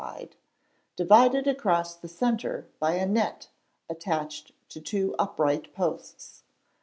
wide, divided across the centre by a net attached to two upright posts.